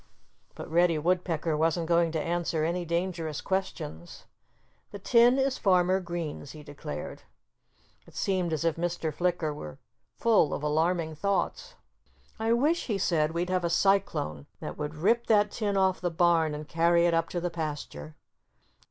But Reddy Woodpecker wasn't going to answer any dangerous questions. "The tin is Farmer Green's," he declared. It seemed as if Mr. Flicker were full of alarming thoughts. "I wish," he said, "we'd have a cyclone that would rip that tin off the barn and carry it up to the pasture."